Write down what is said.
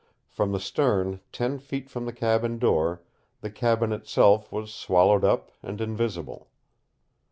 From the stern, ten feet from the cabin door, the cabin itself was swallowed up and invisible.